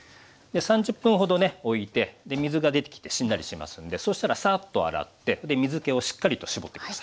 ３０分ほどねおいて水が出てきてしんなりしますんでそしたらサッと洗って水けをしっかりと絞って下さい。